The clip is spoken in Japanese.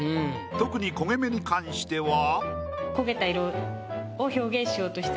特に焦げ目に関しては。